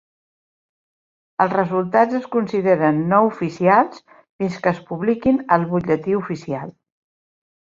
Els resultats es consideren no oficials fins que es publiquin al butlletí oficial.